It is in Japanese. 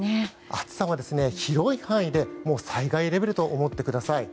暑さは広い範囲で災害レベルと思ってください。